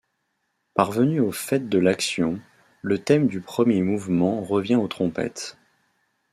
Parvenu au faîte de l'action, le thème du premier mouvement revient aux trompettes.